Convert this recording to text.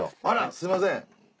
あらすみません。